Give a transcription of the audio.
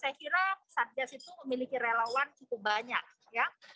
saya kira satgas itu memiliki relawan cukup banyak ya